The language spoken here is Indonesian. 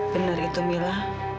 benar itu mila